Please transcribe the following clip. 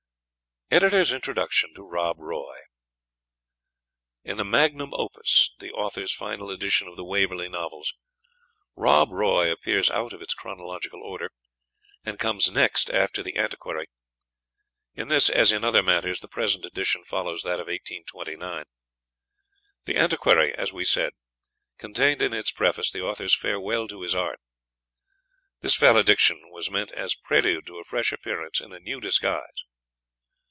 EDITOR'S INTRODUCTION TO ROB ROY In the magnum opus, the author's final edition of the Waverley Novels, "Rob Roy" appears out of its chronological order, and comes next after "The Antiquary." In this, as in other matters, the present edition follows that of 1829. "The Antiquary," as we said, contained in its preface the author's farewell to his art. This valediction was meant as prelude to a fresh appearance in a new disguise.